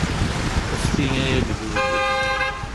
Fti ay agdud!